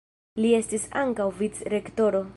Li estis ankaŭ vicrektoro.